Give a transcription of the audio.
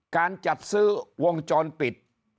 การจัดซื้อวงจรปิด